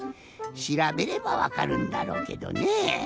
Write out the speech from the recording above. しらべればわかるんだろうけどねえ。